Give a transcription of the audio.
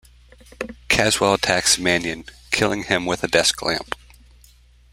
Caswell attacks Manion, killing him with a desk lamp.